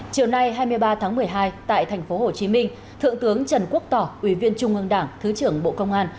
chiều nay hai mươi ba tháng một mươi hai tại tp hcm thượng tướng trần quốc tỏ ủy viên trung ương đảng thứ trưởng bộ công an